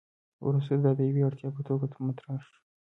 وروسته دا د یوې اړتیا په توګه مطرح شو.